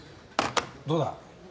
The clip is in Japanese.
どうだ？